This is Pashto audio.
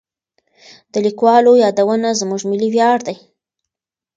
د لیکوالو یادونه زموږ ملي ویاړ دی.